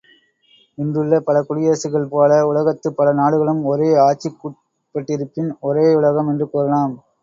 இன்றுள்ள பல குடியரசுகள் போல உலகத்துப் பல நாடுகளும் ஒரே ஆட்சிக் குட்பட்டிருப்பின் ஒரே யுலகம் என்று கூறலாம்.